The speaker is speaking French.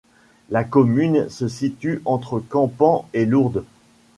La commune se situe entre Campan et Lourdes.